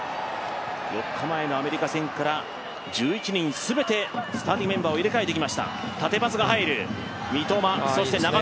４日前のアメリカ戦から１１人全てスターティングメンバーを入れ替えてきました。